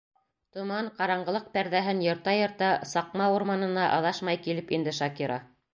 Томан, ҡараңғылыҡ пәрҙәһен йырта-йырта Саҡма урманына аҙашмай килеп инде Шакира.